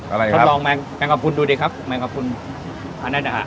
อะไรครับชอบลองแมงแมงกะพุนดูดิครับแมงกะพุนอันนี้นะฮะ